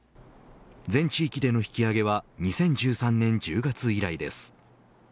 全地域での引き上げは２０１３年１０月以来です。